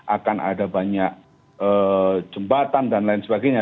akan ada banyak jembatan dan lain sebagainya